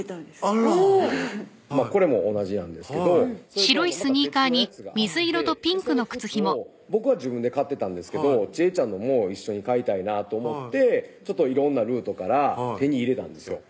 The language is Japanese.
あらこれも同じなんですけどそれとまた別のやつがあってその靴を僕は自分で買ってたんですけどちえちゃんのも一緒に買いたいなと思ってちょっと色んなルートから手に入れたんですよ